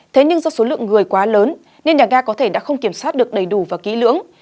thế nhưng do số lượng người quá lớn nên nhà ga có thể đã không kiểm soát được đầy đủ và kỹ lưỡng